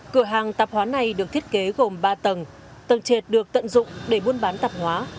cửa hàng tạp hóa này được thiết kế gồm ba tầng tầng trệt được tận dụng để buôn bán tạp hóa